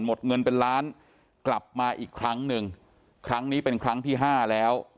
หมดเงินเป็นล้านกลับมาอีกครั้งหนึ่งครั้งนี้เป็นครั้งที่ห้าแล้ว